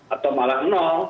atau malah nol